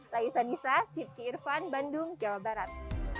saya isan issa sipki irvan bandung jawa barat